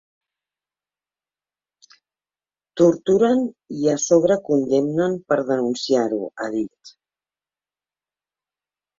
Torturen i a sobre condemnen per denunciar-ho, ha dit.